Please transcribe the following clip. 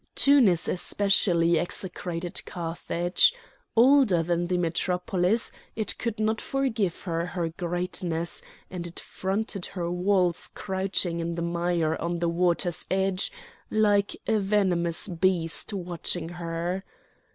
Tunis especially execrated Carthage! Older than the metropolis, it could not forgive her her greatness, and it fronted her walls crouching in the mire on the water's edge like a venomous beast watching her.